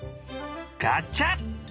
ガチャ！